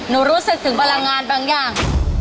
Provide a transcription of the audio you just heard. รู้สึกถึงพลังงานบางอย่าง